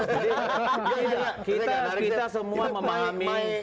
jadi kita semua memahami